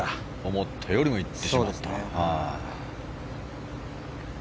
思ったよりも行ってしまった。